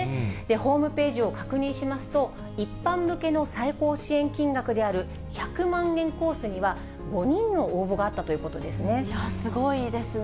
ホームページを確認しますと、一般向けの最高支援金額である１００万円コースには、５人の応すごいですね。